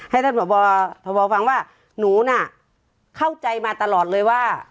ให้ท่านพบทบฟังว่าหนูน่ะเข้าใจมาตลอดเลยว่า